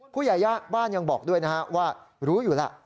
ผู้ใหญ่บ้านยังบอกด้วยนะฮะว่ารู้อยู่แล้ว